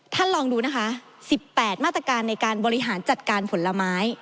ลองดูนะคะ๑๘มาตรการในการบริหารจัดการผลไม้